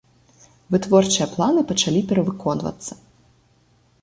Вытворчыя планы пачалі перавыконвацца.